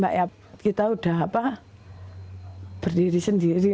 kami sudah berdiri sendiri